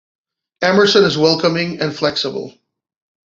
Emerson is welcoming and flexible.